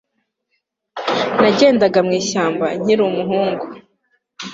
Nagendaga mu ishyamba nkiri umuhungu